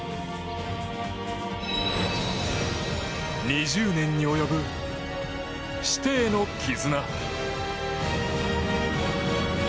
２０年に及ぶ、師弟の絆。